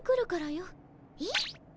えっ？